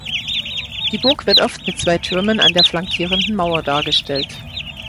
Die Burg wird oft mit zwei Türmen an der flankierenden Mauer dargestellt.